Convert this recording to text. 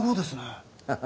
ハハハ。